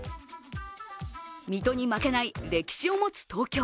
水戸に負けない歴史を持つ東京。